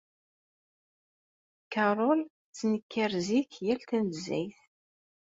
Carol tettenkar zik yal tanezzayt.